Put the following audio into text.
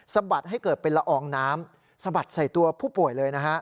บัดให้เกิดเป็นละอองน้ำสะบัดใส่ตัวผู้ป่วยเลยนะฮะ